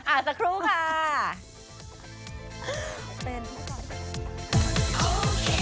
สักครู่ค่ะ